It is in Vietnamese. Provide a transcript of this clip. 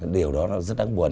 điều đó rất đáng buồn